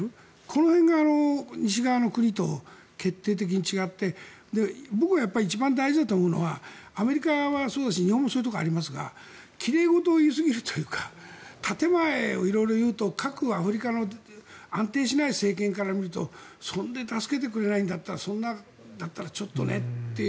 この辺が西側の国と決定的に違って僕は一番大事だと思うのはアメリカはそうですし日本もそういうところがありますが奇麗事を言いすぎるというか建前を色々言うと各アフリカの安定しない政権から見るとそれで助けてくれないんだったらそんなだったらちょっとねって。